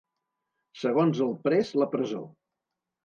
Segons el pres, la presó.